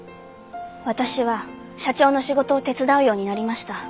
私は社長の仕事を手伝うようになりました。